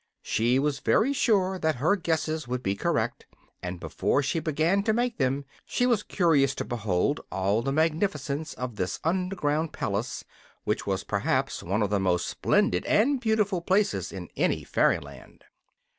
She was very sure that her guesses would be correct, but before she began to make them she was curious to behold all the magnificence of this underground palace, which was perhaps one of the most splendid and beautiful places in any fairyland.